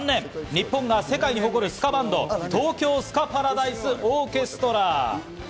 日本が世界に誇るスカバンド、東京スカパラダイスオーケストラ。